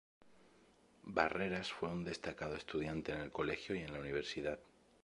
Barreras fue un destacado estudiante en el Colegio y en la Universidad.